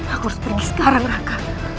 aku harus pergi sekarang raka